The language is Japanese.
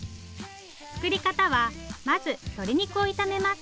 作り方はまず鶏肉を炒めます。